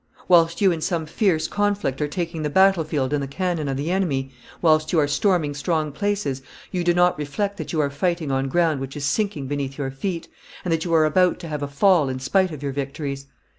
Whilst you in some fierce conflict are taking the battle field and the cannon of the enemy, whilst you are storming strong places, you do not reflect that you are fighting on ground which is sinking beneath your feet, and that you are about to have a fall in spite of your victories.